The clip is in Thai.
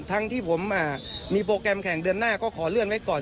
ทั้งที่ผมมีโปรแกรมแข่งเดือนหน้าก็ขอเลื่อนไว้ก่อน